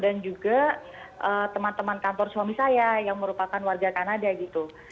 dan juga teman teman kantor suami saya yang merupakan warga kanada gitu